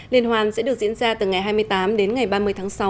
liên hoan sẽ được diễn ra từ ngày hai mươi tám đến ngày ba mươi tháng sáu